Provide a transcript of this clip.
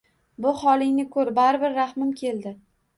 Bu holingni koʻrib, baribir rahmim keldi.